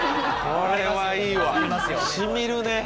これはいいわ、しみるね。